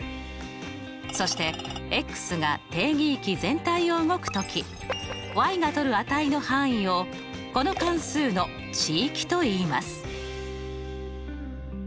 そしてが定義域全体を動くときがとる値の範囲をこの関数の値域といいます。